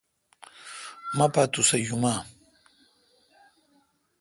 مہ پا توسہ یوماؘ۔